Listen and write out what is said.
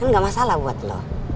kan gak masalah buat lo